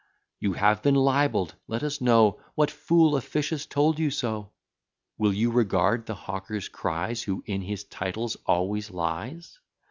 You have been libell'd Let us know, What fool officious told you so? Will you regard the hawker's cries, Who in his titles always lies?